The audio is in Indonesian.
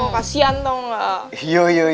kasian tahu tidak